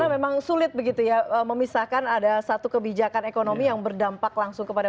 memang sulit begitu ya memisahkan ada satu kebijakan ekonomi yang berdampak langsung kepada